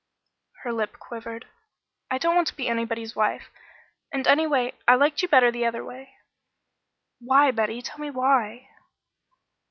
Her lip quivered. "I don't want to be anybody's wife and, anyway I liked you better the other way." "Why, Betty? Tell me why."